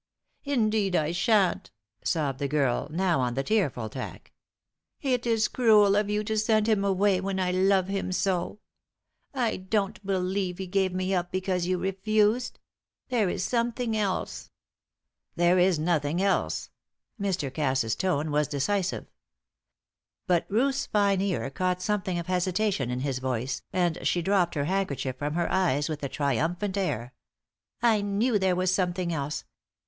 "Indeed I shan't!" sobbed the girl, now on the tearful tack. "It is cruel of you to send him away when I love him so. I don't believe he gave me up because you refused. There is something else." "There is nothing else." Mr. Cass's tone was decisive. But Ruth's fine ear caught something of hesitation in his voice, and she dropped her handkerchief from her eyes with a triumphant air. "I knew there was something else.